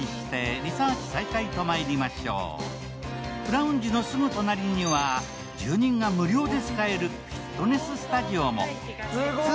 ラウンジのすぐ隣には住人が無料で使えるフィットネススタジオも。